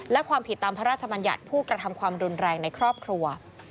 และความผิดตามพระราชมัญญัติผู้กระทำความรุนแรงในครอบครัว